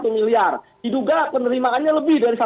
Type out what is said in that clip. satu miliar diduga penerimaannya lebih dari